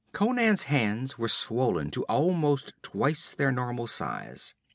Conan's hands were swollen to almost twice their normal size.